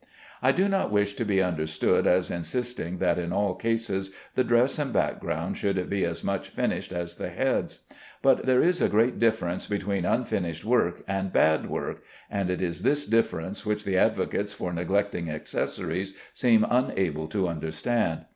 I do not wish to be understood as insisting that in all cases the dress and background should be as much finished as the heads, but there is a great difference between unfinished work and bad work, and it is this difference which the advocates for neglecting accessories seem unable to understand.